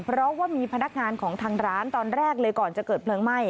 เพราะว่ามีพนักงานของทางร้านตอนแรกเลยก่อนจะเกิดเพลิงไหม้